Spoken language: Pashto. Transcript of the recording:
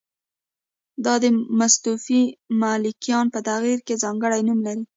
دا د مصطفی ملکیان په تعبیر ځانګړی نوم لري.